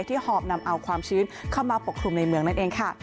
หอบนำเอาความชื้นเข้ามาปกคลุมในเมืองนั่นเองค่ะ